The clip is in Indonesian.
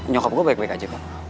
nyokap gue baik baik aja kok